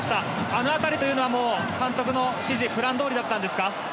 あの辺りというのは監督の指示プランどおりだったんですか？